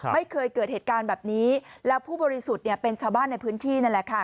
ไม่เคยเกิดเหตุการณ์แบบนี้แล้วผู้บริสุทธิ์เนี่ยเป็นชาวบ้านในพื้นที่นั่นแหละค่ะ